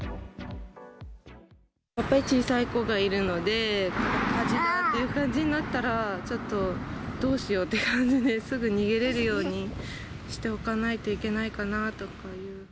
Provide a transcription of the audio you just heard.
やっぱり小さい子がいるので、火事だっていう感じになったら、ちょっとどうしようって感じで、すぐ逃げれるようにしておかないといけないかなとかいう。